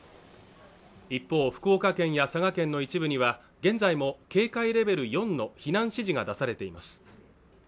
一方、福岡県や佐賀県の一部には現在も警戒レベル４の避難指示が出されています。